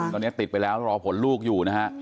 ตอนนี้ติดไปแล้วรอผลลูกอยู่นะฮะ